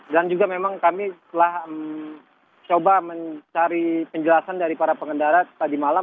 dan juga memang kami telah mencoba mencari penjelasan dari para pengendara tadi malam